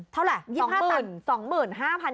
เท่าไหร่๒๕ตัน